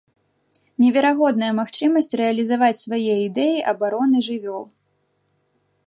Неверагодная магчымасць рэалізаваць свае ідэі абароны жывёл!